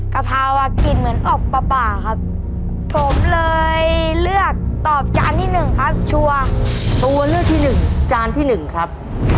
กะเพรากินเหมือนออกปลาปลาครับ